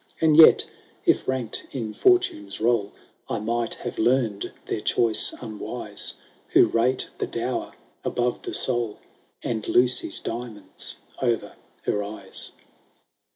15 And yet, if ranked in Fortune's roll, I might have leam*d their choice unwise. Who rate the dower above the soul. And Lucy's diamonds o'er her eyes.